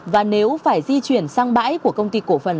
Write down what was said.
và nếu phải di chuyển sang bãi của công ty cổ phần